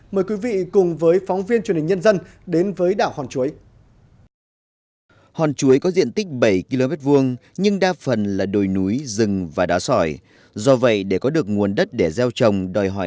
mời quý vị cùng với phóng viên truyền hình nhân dân đến với đảo hòn chuối